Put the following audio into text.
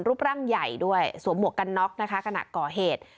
รูปร่างใหญ่ด้วยสวมหมวกกันน็อกนะคะขณะก่อเหตุ